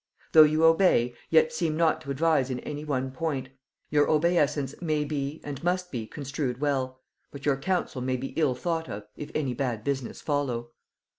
Though you obey, yet seem not to advise in any one point; your obeysance may be, and must be, construed well; but your counsel may be ill thought of if any bad business follow.